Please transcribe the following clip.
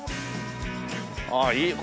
ああいい。